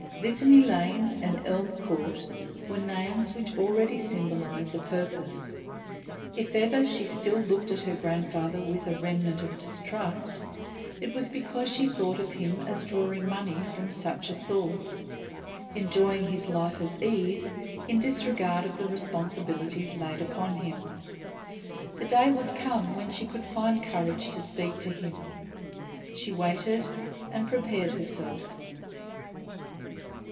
Litany Lane and Elm Court were names which already symbolised a purpose. If ever she still looked at her grandfather with a remnant of distrust, it was because she thought of him as drawing money from such a source, enjoying his life of ease in disregard of the responsibilities laid upon him. The day would come when she could find courage to speak to him. She waited and prepared herself.